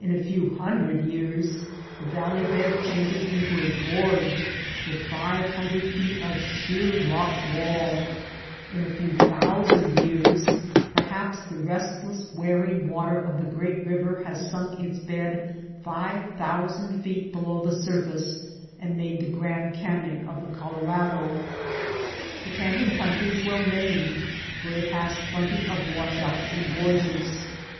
MESAS AND FOOT HILLS 209 few hundred years the valley bed changes into a gorge with five hundred feet of sheer rock wall ; in a few thousand years perhaps the rest less wearing water of the great river has sunk its bed five thousand feet below the surface and made the Grand Canyon of the Colorado. The Canyon country is well named, for it has plenty of wash outs and gorges.